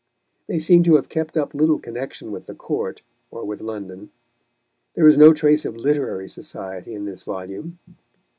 They seem to have kept up little connection with the Court or with London. There is no trace of literary society in this volume.